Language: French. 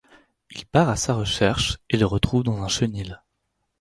Il part à sa recherche et le retrouve dans un chenil.